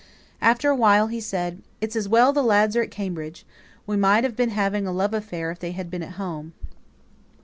After a while he said, "It's as well the lads are at Cambridge; we might have been having a love affair if they had been at home."